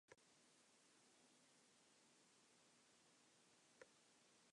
She helped legislation to address hate crimes and deceptive charity practices.